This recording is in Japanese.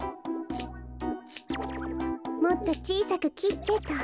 もっとちいさくきってと。